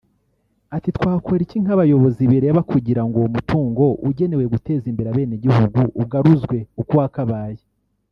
Ati″Twakora iki nk’abayobozi bireba kugira ngo uwo mutungo ugenewe guteza imbere Abenegihugu ugaruzwe uko wakabaye